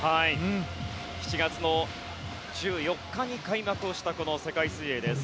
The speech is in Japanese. ７月の１４日に開幕をしたこの世界水泳です。